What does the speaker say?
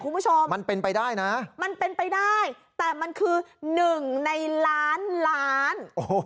คุณผู้ชมมันเป็นไปได้นะมันเป็นไปได้แต่มันคือหนึ่งในล้านล้าน